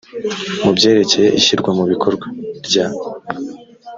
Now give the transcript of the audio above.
mu byerekeye ishyirwa mu bikorwa rya